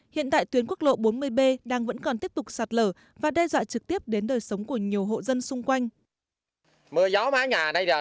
hiện tại tuyến quốc lộ bốn mươi b đang vẫn còn tiếp tục sạt lở và đe dọa trực tiếp đến đời sống của nhiều hộ dân xung quanh